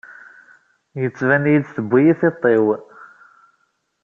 Yettban-iyi-d tewwi-iyi tiṭ-iw.